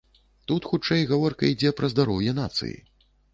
Тут хутчэй гаворка ідзе пра здароўе нацыі.